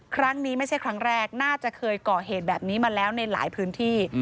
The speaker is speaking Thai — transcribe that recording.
ครั้งนี้ไม่ใช่ครั้งแรกน่าจะเคยก่อเหตุแบบนี้มาแล้วในหลายพื้นที่